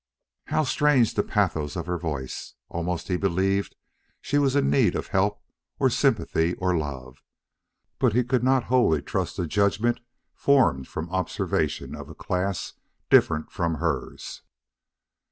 How strange the pathos of her voice! Almost he believed she was in need of help or sympathy or love. But he could not wholly trust a judgment formed from observation of a class different from hers.